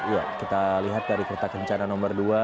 ya kita lihat dari kereta rencana nomor dua